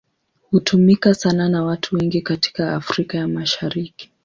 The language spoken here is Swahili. Hutumika sana na watu wengi katika Afrika ya Mashariki.